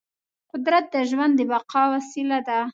قدرت د ژوند د بقا وسیله ده.